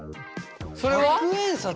それは？